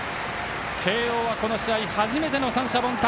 慶応はこの試合初めての三者凡退。